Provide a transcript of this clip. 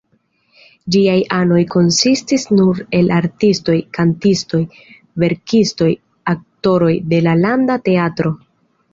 Ĝiaj anoj konsistis nur el artistoj, kantistoj, verkistoj, aktoroj de la Landa Teatro.